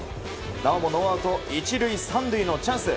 なおもノーアウト１塁３塁のチャンス。